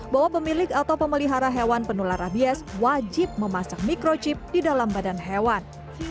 bahwa pemilik atau pemelihara hewan penular rabies wajib memasak mikrochip di dalam badan hewan